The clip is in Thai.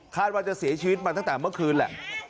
ว่าจะเสียชีวิตมาตั้งแต่เมื่อคืนแหละ